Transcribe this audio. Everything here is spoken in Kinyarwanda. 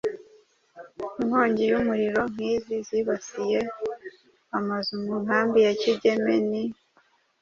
Inkongi y’umuriro nk’izi zibasiye amazu mu nkambi ya Kigeme ni